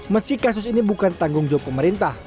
meski kasus ini bukan tanggung jawab pemerintah